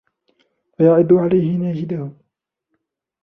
وَيَعَضَّ عَلَيْهِ نَاجِذَهُ